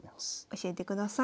教えてください。